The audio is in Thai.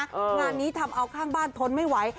งานนี้ทำเอาข้างบ้านทนไม่ไหว